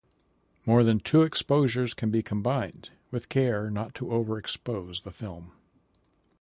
More than two exposures can be combined, with care not to overexpose the film.